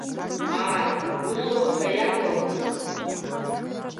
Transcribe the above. Ааи, ус ауп ҳәа иаҭалкит.